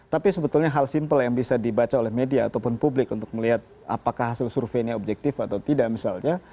tapi sebetulnya hal simpel yang bisa dibaca oleh media ataupun publik untuk melihat apakah hasil survei ini objektif atau tidak misalnya